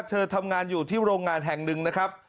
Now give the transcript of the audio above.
เธอทำงานอยู่ที่โรงงานแห่งหนึ่งนะครับ